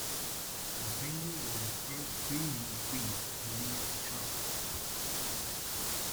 The single was the first Screaming Trees release to chart.